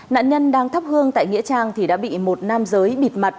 nạn nhân đang thắp hương tại nghĩa trang thì đã bị một nam giới bịt mặt